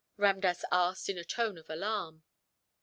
Ramdass asked, in a tone of alarm.